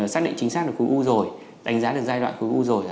xác định chính xác được khối u rồi đánh giá được giai đoạn khối u rồi